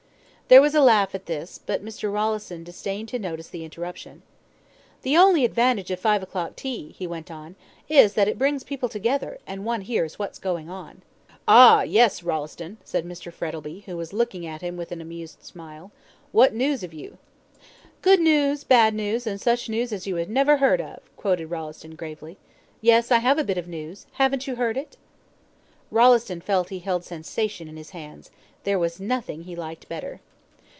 There was a laugh at this, but Mr. Rolleston disdained to notice the interruption. "The only advantage of five o'clock tea," he went on, "is, that it brings people together, and one hears what's going on." "Ah, yes, Rolleston," said Mr. Frettlby, who was looking at him with an amused smile. "What news have you?" "Good news, bad news, and such news as you have never heard of," quoted Rolleston gravely. "Yes, I have a bit of news haven't you heard it?" Rolleston felt he held sensation in his hands. There was nothing he liked better.